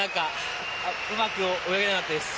うまく泳げなかったです。